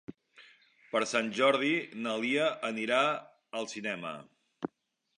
Per Sant Jordi na Lia anirà al cinema.